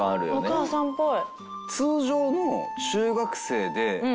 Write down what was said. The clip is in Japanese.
お母さんっぽい。